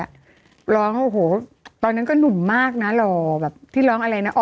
ร้องโอ้โหตอนนั้นก็หนุ่มมากนะหล่อแบบที่ร้องอะไรนะ